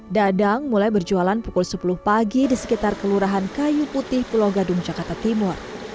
dadang mulai berjualan pukul sepuluh pagi di sekitar kelurahan kayu putih pulau gadung jakarta timur